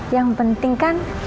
yang penting kan